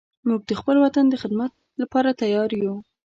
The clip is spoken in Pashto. موږ د خپل وطن د خدمت لپاره تیار یو